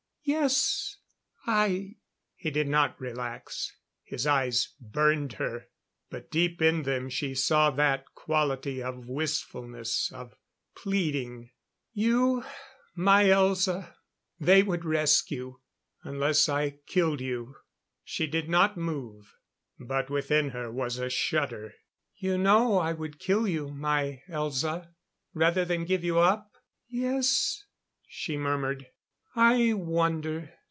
"Yes, I " He did not relax. His eyes burned her: but deep in them she saw that quality of wistfulness, of pleading. "You, my Elza, they would rescue unless I killed you." She did not move, but within her was a shudder. "You know I would kill you, my Elza, rather than give you up?" "Yes," she murmured. "I wonder.